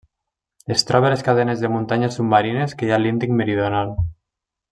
Es troba a les cadenes de muntanyes submarines que hi ha a l'Índic meridional.